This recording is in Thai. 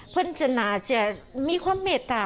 เพิ่มจะน่าจะมีความเมตตา